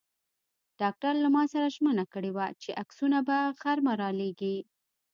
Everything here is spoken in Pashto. ډاکټر له ما سره ژمنه کړې وه چې عکسونه به غرمه را لېږي.